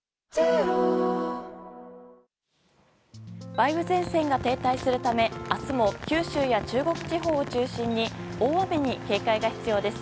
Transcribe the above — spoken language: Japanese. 梅雨前線が停滞するため明日も、九州や中国地方を中心に大雨に警戒が必要です。